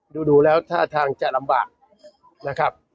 ดูแล้วท่าทางจะลำบากนะครับ